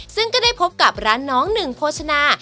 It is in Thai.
ซึ่งก็ได้พบกับร้านน้องหนึ่งโภชนา